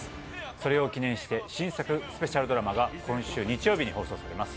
それを記念して新作スペシャルドラマが今週日曜日に放送されます。